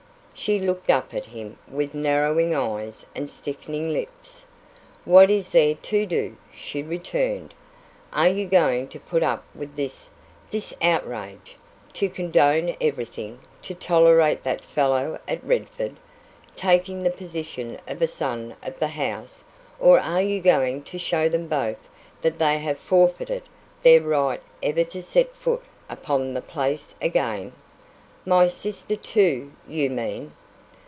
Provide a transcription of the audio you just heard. She looked up at him with narrowing eyes and stiffening lips. "What IS there to do?" she returned. "Are you going to put up with this this outrage to condone everything to tolerate that fellow at Redford, taking the position of a son of the house, or are you going to show them both that they have forfeited their right ever to set foot upon the place again?" "My sister too, you mean?"